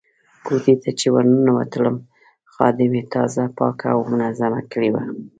کوټې ته چې ورننوتلم خادمې تازه پاکه او منظمه کړې وه.